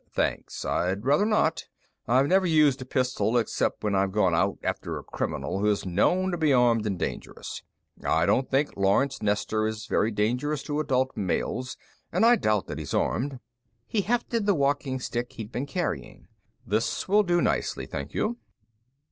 "Thanks, I'd rather not. I've never used a pistol except when I've gone out after a criminal who is known to be armed and dangerous. I don't think Lawrence Nestor is very dangerous to adult males, and I doubt that he's armed." He hefted the walking stick he'd been carrying. "This will do nicely, thank you."